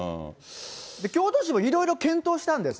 京都市もいろいろ検討したんです。